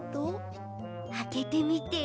あけてみて。